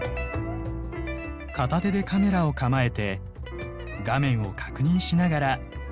片手でカメラを構えて画面を確認しながら。